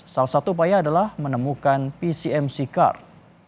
salah satu upaya adalah menemukan pcmc car